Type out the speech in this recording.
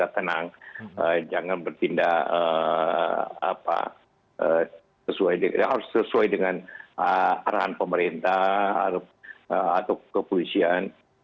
tenang jangan bertindak harus sesuai dengan arahan pemerintah atau kepolisian